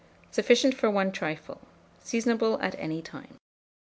Sufficient for 1 trifle. Seasonable at any time.